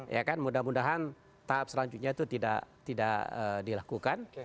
ya kan mudah mudahan tahap selanjutnya itu tidak dilakukan